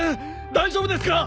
大丈夫ですか？